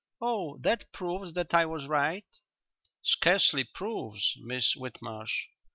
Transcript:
"Oh, that proves that I was right?" "Scarcely 'proves,' Miss Whitmarsh."